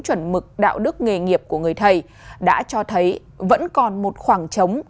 chuẩn mực đạo đức nghề nghiệp của người thầy đã cho thấy vẫn còn một khoảng trống